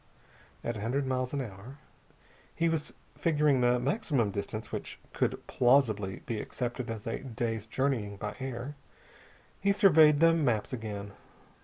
"At a hundred miles in hour...." He was figuring the maximum distance which could plausibly be accepted as a day's journeying by air. He surveyed the maps again.